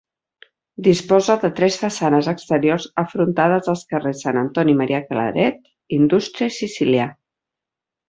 Disposa de tres façanes exteriors afrontades als carrers Sant Antoni Maria Claret, Indústria, Sicília.